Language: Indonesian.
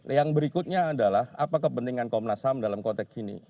yang berikutnya adalah apa kepentingan komnas ham dalam konteks ini